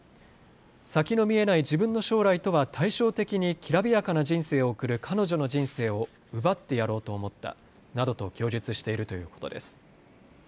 先の見えない自分の将来とは対照的にきらびやかな人生を送る彼女の人生を奪ってやろうと思ったなどと供述しているということです。